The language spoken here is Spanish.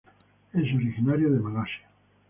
Es originario de Malasia.